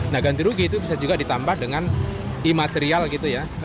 nah ganti rugi itu bisa juga ditambah dengan imaterial gitu ya